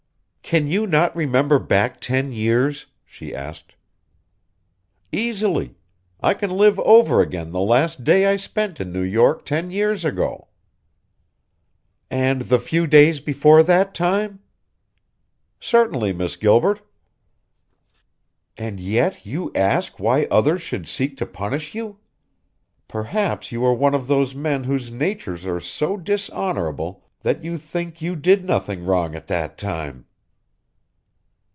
"Can you not remember back ten years?" she asked. "Easily. I can live over again the last day I spent in New York ten years ago." "And the few days before that time?" "Certainly, Miss Gilbert." "And yet you ask why others should seek to punish you? Perhaps you are one of those men whose natures are so dishonorable that you think you did nothing wrong at that time."